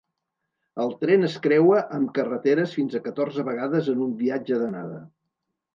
El tren es creua amb carreteres fins a catorze vegades en un viatge d'anada.